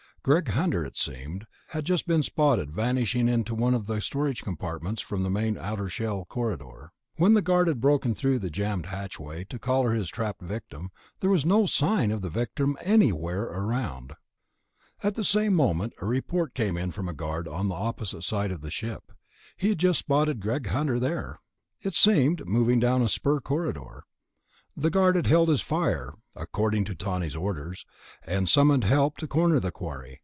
Greg Hunter, it seemed, had just been spotted vanishing into one of the storage compartments from the main outer shell corridor. When the guard had broken through the jammed hatchway to collar his trapped victim, there was no sign of the victim anywhere around. At the same moment, a report came in from a guard on the opposite side of the ship. He had just spotted Greg Hunter there, it seemed, moving down a spur corridor. The guard had held his fire (according to Tawney's orders) and summoned help to corner the quarry